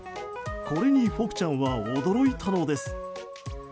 これにフォクちゃんは驚いたのです。